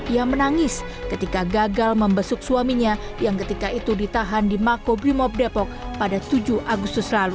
ia menangis ketika gagal membesuk suaminya yang ketika itu ditahan di makobrimob depok pada tujuh agustus lalu